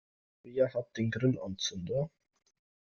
Wer hat die Grillanzünder?